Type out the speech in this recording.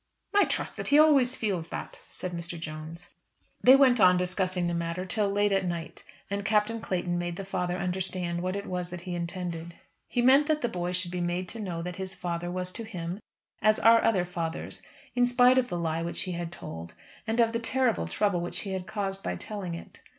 "I trust that he always feels that," said Mr. Jones. They went on discussing the matter till late at night, and Captain Clayton made the father understand what it was that he intended. He meant that the boy should be made to know that his father was to him as are other fathers, in spite of the lie which he had told, and of the terrible trouble which he had caused by telling it.